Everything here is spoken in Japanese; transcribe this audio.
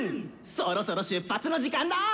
そろそろ出発の時間だ！」。